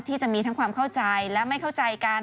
ที่จะมีทั้งความเข้าใจและไม่เข้าใจกัน